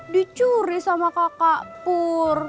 dicuri sama kakak pur